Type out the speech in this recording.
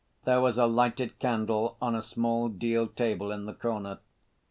There was a lighted candle on a small deal table in the corner.